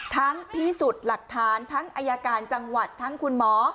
พิสูจน์หลักฐานทั้งอายการจังหวัดทั้งคุณหมอ